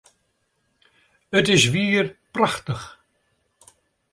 It is wier prachtich!